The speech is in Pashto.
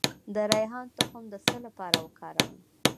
د ریحان تخم د څه لپاره وکاروم؟